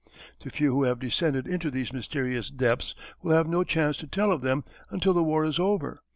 The few who have descended into those mysterious depths will have no chance to tell of them until the war is over.